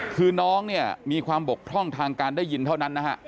คือน้องมีความบกท่องทางการได้ยินเท่านั้น